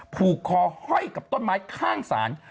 ผูกคอห้อยกับต้นไม้ข้างศาล